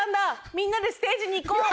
みんなでステージに行こう」